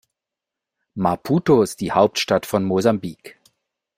Maputo ist die Hauptstadt von Mosambik.